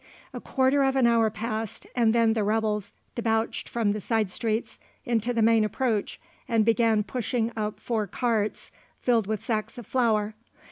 A quarter of an hour passed and then the rebels debouched from the side streets into the main approach and began pushing up four carts filled with sacks of flour.